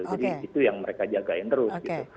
jadi itu yang mereka jagain terus gitu